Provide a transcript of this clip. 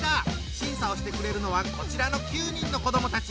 審査をしてくれるのはこちらの９人の子どもたち。